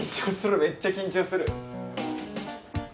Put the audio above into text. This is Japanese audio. めっちゃ緊張する。